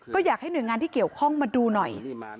ก็อยากให้หน่วยงานที่เกี่ยวข้องมาดูหน่อย